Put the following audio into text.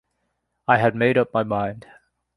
I had made up my mind.